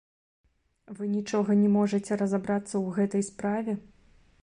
Вы нічога не можаце разабрацца ў гэтай справе?